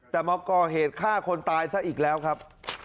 แต่มาก่อเหตุฆ่าคนตายซะอีกแล้วครับ